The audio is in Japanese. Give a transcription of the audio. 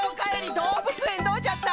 どうぶつえんどうじゃった？